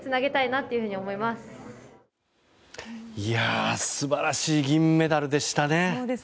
いや、素晴らしい銀メダルでしたね。